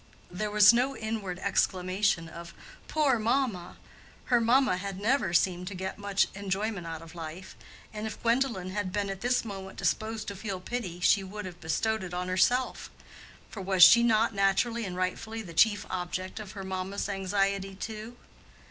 There was no inward exclamation of "Poor mamma!" Her mamma had never seemed to get much enjoyment out of life, and if Gwendolen had been at this moment disposed to feel pity she would have bestowed it on herself—for was she not naturally and rightfully the chief object of her mamma's anxiety too?